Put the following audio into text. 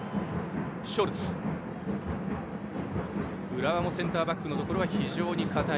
浦和もセンターバックのところは非常に堅い。